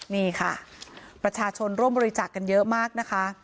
นี่ค่ะประชาชนร่วมบริจาคกันเยอะมากนะคะ